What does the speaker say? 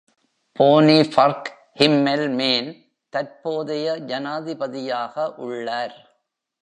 Fani Burke Himmelman தற்போதைய ஜனாதிபதியாக உள்ளார்.